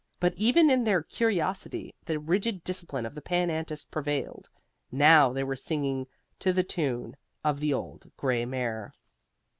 But even in their curiosity the rigid discipline of the Pan Antis prevailed. Now they were singing, to the tune of "The Old Gray Mare."